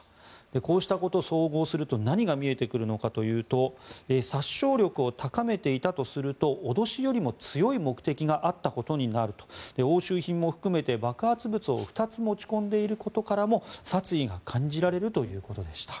こうしたことを総合すると何が見えてくるかというと殺傷力を高めていたとすると脅しよりも強い目的があったことになると押収品も含めて爆発物を２つ持ち込んでいることからも殺意が感じられるということでした。